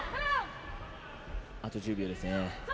あと１０秒ですね。